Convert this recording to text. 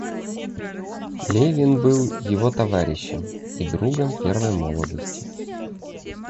Левин был его товарищем и другом первой молодости.